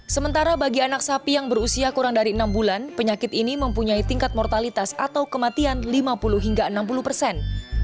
sementara bagi anak sapi yang berusia kurang dari enam bulan penyakit ini mempunyai tingkat mortalitas atau kematian lima puluh hingga enam puluh persen